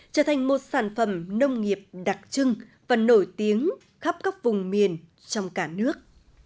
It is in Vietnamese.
trở thành một sản phẩm nông nghiệp đặc trưng và nổi tiếng khắp các vùng miền trong cả nước